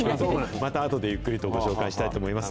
またあとでゆっくりと、ご紹介したいと思います。